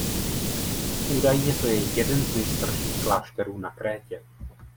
Údajně to je jeden z nejstarších klášterů na Krétě.